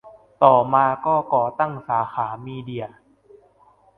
ต่อมาก็ก่อตั้งสาขามีเดีย